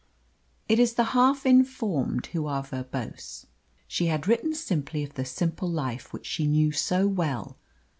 It is the half informed who are verbose. She had written simply of the simple life which she knew so well.